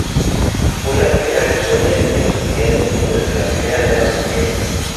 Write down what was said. Fue la primera victoria de los Aliados durante la Primera Guerra Mundial.